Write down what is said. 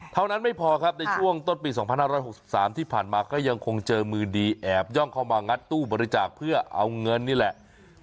เท่านั้นไม่พอครับในช่วงต้นปี๒๕๖๓ที่ผ่านมาก็ยังคงเจอมือดีแอบย่องเข้ามางัดตู้บริจาคเพื่อเอาเงินนี่แหละ